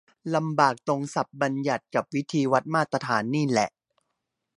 ลำบากตรงศัพท์บัญญัติกับวิธีวัดมาตรฐานนี่แหละ